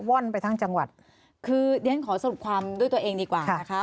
ว่อนไปทั้งจังหวัดคือเรียนขอสรุปความด้วยตัวเองดีกว่านะคะ